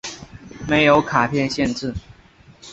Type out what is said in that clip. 没有卡片限制。